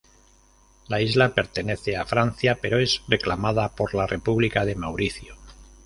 La isla pertenece a Francia pero es reclamada por la República de Mauricio.